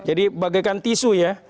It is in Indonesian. jadi bagaikan tisu ya